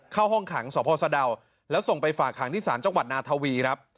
เข้าห้องขังสพสะดาวแล้วส่งไปฝากขังที่ศาลจังหวัดนาทวีครับ